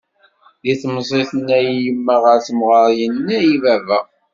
Deg temẓi tenna-yi yemma, ɣer temɣer yenna-yi baba.